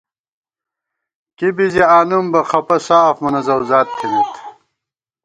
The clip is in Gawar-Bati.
کِبی زِی آنُم بہ خپہ، ساف مونہ زؤزات تھِمېت